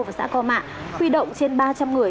và xã co mạ huy động trên ba trăm linh người